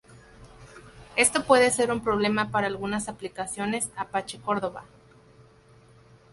Esto puede ser un problema para algunas aplicaciones Apache Cordova.